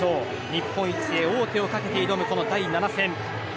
日本一へ王手をかけて挑む第７戦。